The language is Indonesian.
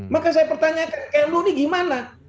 maka saya pertanyaan ke anda ini gimana